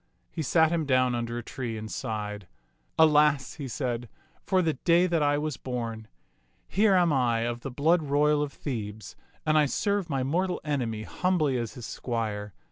He sat him down under a tree and sighed. Alas," he said, "for the day that I was born. Here am I of the blood royal of Thebes, and I serve my mortal enemy humbly as his squire.